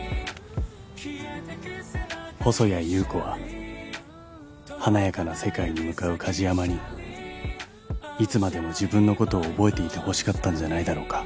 ［細谷優子は華やかな世界に向かう梶山にいつまでも自分のことを覚えていてほしかったんじゃないだろうか？］